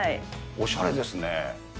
おしゃれですね。